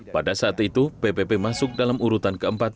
pada saat itu ppp masuk dalam usaha